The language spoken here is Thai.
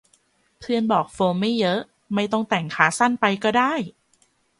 เพื่อนบอกโฟมไม่เยอะ ไม่ต้องแต่งขาสั้นไปก็ได้